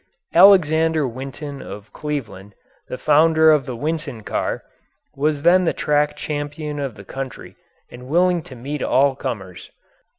Alexander Winton of Cleveland, the founder of the Winton car, was then the track champion of the country and willing to meet all comers.